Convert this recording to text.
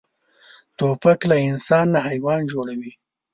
توپک له انسان نه حیوان جوړوي.